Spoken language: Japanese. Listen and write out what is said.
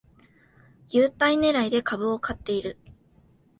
優待ねらいで株を買ってる